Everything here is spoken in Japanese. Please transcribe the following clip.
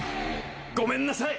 ごめんなさい。